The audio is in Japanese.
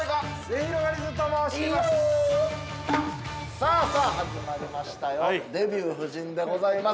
◆さあさあ、始まりましたよ「デビュー夫人」でございます。